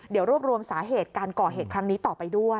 เดี๋ยวรวบรวมสาเหตุการก่อเหตุครั้งนี้ต่อไปด้วย